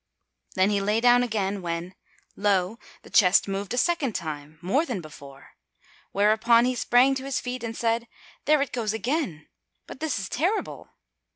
Then he lay down again when, lo! the chest moved a second time, more than before; whereupon he sprang to his feet and said, "There it goes again: but this is terrible!"